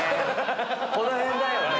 この辺だよね。